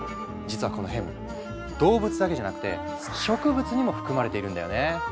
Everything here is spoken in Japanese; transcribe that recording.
実はこのヘム動物だけじゃなくて植物にも含まれているんだよね。